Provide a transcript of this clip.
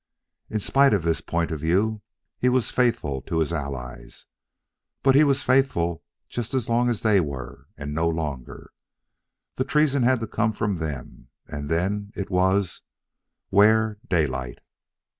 In spite of this point of view, he was faithful to his allies. But he was faithful just as long as they were and no longer. The treason had to come from them, and then it was 'Ware Daylight.